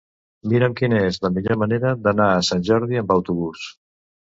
Mira'm quina és la millor manera d'anar a Sant Jordi amb autobús.